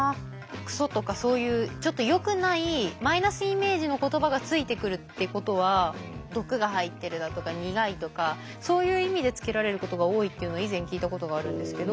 クソとかそういうちょっとよくないマイナスイメージの言葉がついてくるってことは毒が入ってるだとか苦いとかそういう意味でつけられることが多いっていうのは以前聞いたことがあるんですけど。